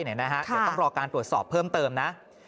เดี๋ยวต้องรอการตรวจสอบเพิ่มเติมนะ